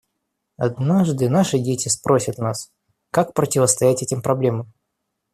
Однажды наши дети спросят нас, как противостоять этим проблемам.